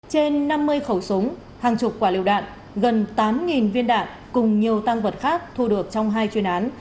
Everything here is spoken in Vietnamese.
trên năm mươi khẩu súng hàng chục quả liệu đạn gần tám viên đạn cùng nhiều tăng vật khác thu được trong hai chuyên án